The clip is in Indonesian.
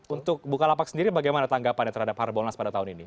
untuk bukalapak sendiri bagaimana tanggapannya terhadap harbolnas pada tahun ini